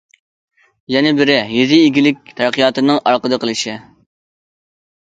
يەنە بىرى يېزا ئىگىلىكى تەرەققىياتىنىڭ ئارقىدا قىلىشى.